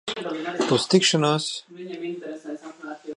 Uz tikšanos!